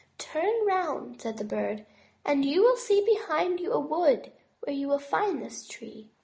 "Turn round," said the Bird," and you will see behind you a wood where you will find this tree."